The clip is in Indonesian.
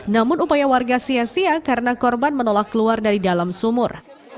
namun upaya warga sia sia karena korban menolak keluar dari dalam sumur